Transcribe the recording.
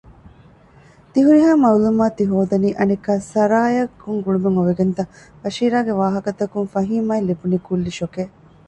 ތިހުރިހާ މަޢްލޫމާތު ތިހޯދަނީ އަނެއްކާ ސަރާއާ ކޮން ގުޅުމެއް އޮވެގެންތަ؟ ބަޝީރާގެ ވާހަކަތަކުން ފަހީމާއަށް ލިބުނީ ކުއްލި ޝޮކެއް